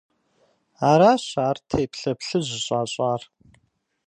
Аращ ар теплъэ плъыжь щӏащӏар.